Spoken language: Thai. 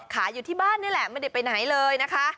อยู่ที่บ้านนี่แหละไม่ได้ไปไหนเลยนะคะ